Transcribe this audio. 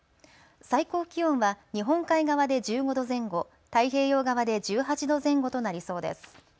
最高気温は日本海側で１５度前後太平洋側で１８度前後となりそうです。